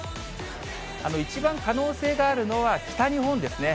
一番可能性があるのは、北日本ですね。